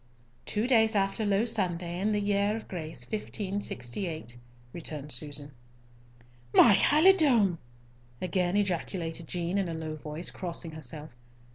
"Two days after Low Sunday, in the year of grace 1568," returned Susan. "My halidome!" again ejaculated Jean, in a low voice, crossing herself.